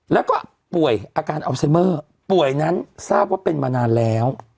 แล้วก็ป่วยอาการอัลไซเมอร์ป่วยนั้นทราบว่าเป็นมานานแล้ว